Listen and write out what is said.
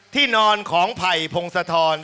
ที่นอนของไผ่พงศธร